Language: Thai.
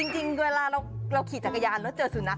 จริงเวลาเราขี่จักรยานแล้วเจอสุนัข